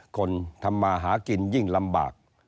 คนทำมาหากินยิ่งลำบาก